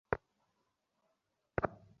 একটা কয়েন নাও, স্যাম।